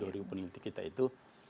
jadi dua ribu peneliti kita itu